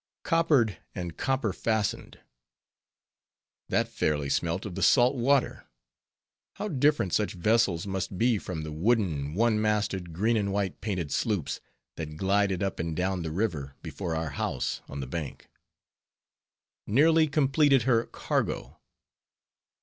Coppered and copper fastened! That fairly smelt of the salt water! How different such vessels must be from the wooden, one masted, green and white painted sloops, that glided up and down the river before our house on the bank. _Nearly completed her cargo!